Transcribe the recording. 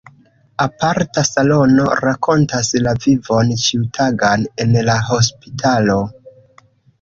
Aparta salono rakontas la vivon ĉiutagan en la hospitalo.